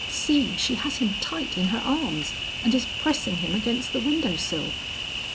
"See, she has him tight in her arms and is pressing him against the window sill."